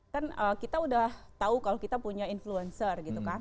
kan kita udah tahu kalau kita punya influencer gitu kan